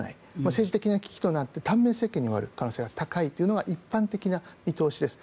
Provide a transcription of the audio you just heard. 政治的な危機となって短命政権に終わる可能性が高いというのが一般的な見通しです。